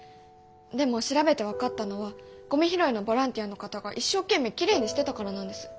でも調べて分かったのはゴミ拾いのボランティアの方が一生懸命きれいにしてたからなんです。